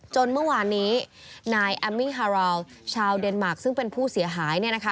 เมื่อวานนี้นายแอมมี่ฮาราวชาวเดนมาร์คซึ่งเป็นผู้เสียหาย